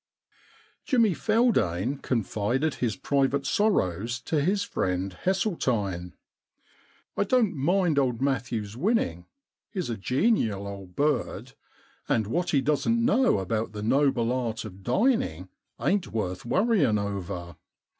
Jimmy Feldane confided his private sorrows to his friend Hesseltine. * I don't mind old Matthews winning. He's a genial old bird, and what he don't know about the noble art 199 The Problem Club of dining ain*t worth worrying over.